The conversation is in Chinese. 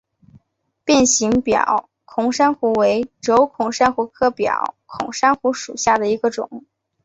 变形表孔珊瑚为轴孔珊瑚科表孔珊瑚属下的一个种。